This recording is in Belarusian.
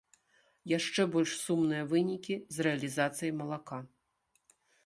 Яшчэ больш сумныя вынікі з рэалізацыяй малака.